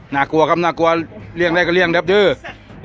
น่ากลัวครับน่ากลัวเหลี่ยงได้ก็เลี่ยงกระเดือด